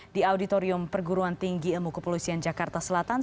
di auditorium perguruan tinggi ilmu kepolisian jakarta selatan